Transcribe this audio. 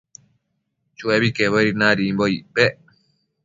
Chuebi quebuedi nadimbocpec